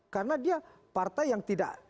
karena dia partai yang tidak